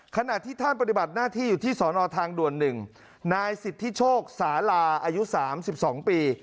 ขณะที่ท่านปฏิบัติหน้าที่อยู่ที่สอนออทางด่วนหนึ่งนายสิทธิโชคสาลาอายุสามสิบสองปี